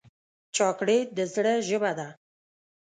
چاکلېټ د زړه ژبه ده.